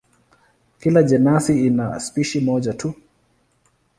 Kila jenasi ina spishi moja tu.